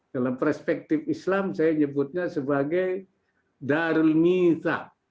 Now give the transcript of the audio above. dalam perspektif islam saya nyebutnya sebagai darul misa